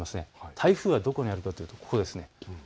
台風はどこにあるかというと、ここです。